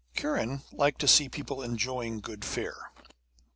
Kiran liked to see people enjoying good fare.